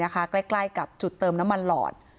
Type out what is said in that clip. ใกล้กับจุดเติมน้ำมันหลอด